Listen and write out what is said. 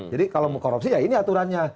jadi kalau mau korupsi ya ini aturannya